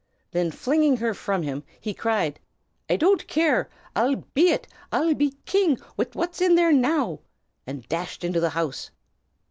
Then flinging her from him, he cried, "I don't care! I'll be it! I'll be king wid what's in there now!" and dashed into the house.